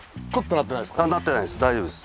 なってないです大丈夫です。